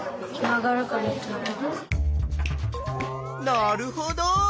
なるほど。